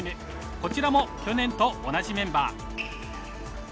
こちらも去年と同じメンバー。